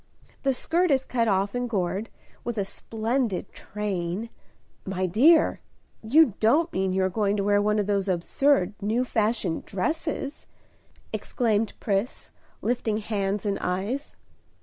The skirt is cut off and gored, with a splendid train " "My dear, you don't mean you are going to wear one of those absurd, new fashioned dresses?" exclaimed Pris, lifting hands and eyes.